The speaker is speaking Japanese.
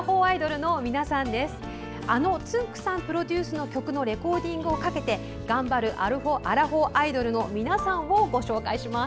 あのつんく♂さんプロデュースの曲のレコーディングをかけて頑張るアラフォーアイドルの皆さんをご紹介します。